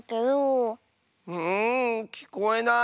んきこえない。